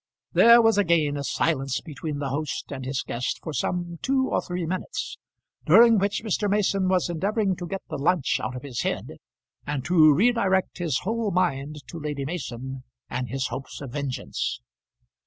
There was again a silence between the host and his guest for some two or three minutes, during which Mr. Mason was endeavouring to get the lunch out of his head, and to redirect his whole mind to Lady Mason and his hopes of vengeance.